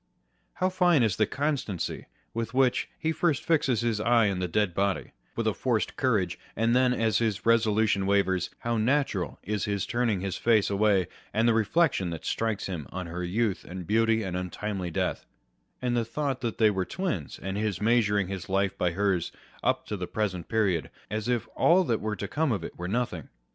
1 How fine is the constancy with which he first fixes his eye on the dead body, with a forced courage, and then, as his resolution wavers, how natural is his turning his face away, and the reflection that strikes him on her youth and beauty and untimely death, and the thought that they were twins, and his measuring his life by hers up to the present period, as if all that was to come of it were nothing